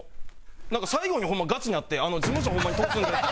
なんか最後にホンマガチになって事務所ホンマに通すんでって。